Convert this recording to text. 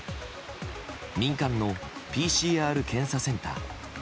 民間のＰＣＲ検査センター。